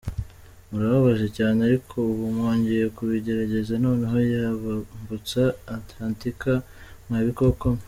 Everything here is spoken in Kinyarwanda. murababaje cyane, ariko ubu mwongeye kubigerageza noneho yabambutsa atlantika mwa bikoko mwe.